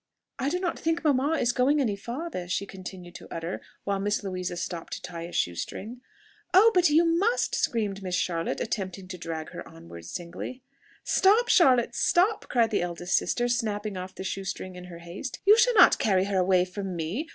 "I do not think mamma is going any farther," she continued to utter, while Miss Louisa stopped to tie a shoe string. "Oh, but you must!" screamed Miss Charlotte, attempting to drag her onward singly. "Stop, Charlotte!... stop!" cried the eldest sister, snapping off the shoe string in her haste "you shall not carry her away from me.